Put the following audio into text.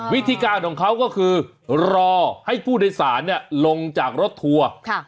วิธีการของเขาก็คือรอให้ผู้โดยสารลงจากรถทัวร์